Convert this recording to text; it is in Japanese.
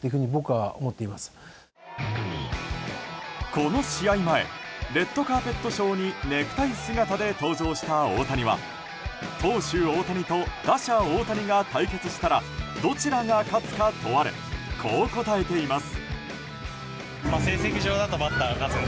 この試合前レッドカーペットショーにネクタイ姿で登場した大谷は投手・大谷と打者・大谷が対決したらどちらが勝つか問われこう答えています。